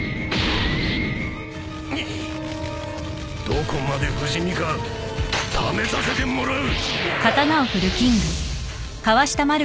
どこまで不死身か試させてもらう！